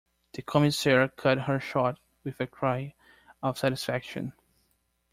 The Commissaire cut her short with a cry of satisfaction.